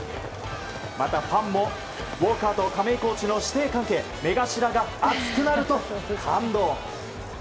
またファンも、ウォーカーと亀井コーチの師弟関係目頭が熱くなると感動。